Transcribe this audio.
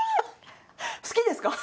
好きですか？